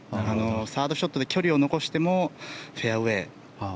サードショットで距離を残してもフェアウェー。